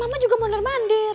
eh mama juga mundar mandir